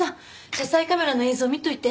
車載カメラの映像見ておいて。